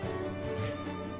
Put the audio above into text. えっ？